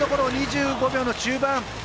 ２５秒の中盤。